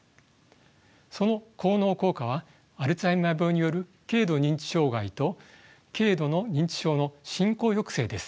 その効能・効果はアルツハイマー病による軽度認知障害と軽度の認知症の進行抑制です。